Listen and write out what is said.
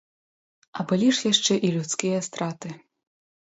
А былі ж яшчэ і людскія страты.